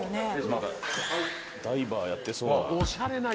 まだダイバーやってそうな。